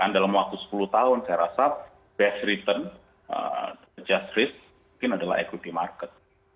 dalam waktu sepuluh tahun saya rasa best return adjust res mungkin adalah equity market